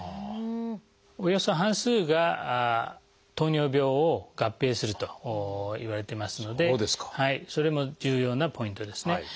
およそ半数が糖尿病を合併するといわれてますのでそれも重要なポイントですね。